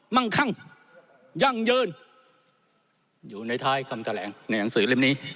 ั่งคั่งยั่งยืนอยู่ในท้ายคำแถลงในหนังสือเล่มนี้